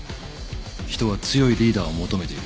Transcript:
人は強いリーダーを求めている。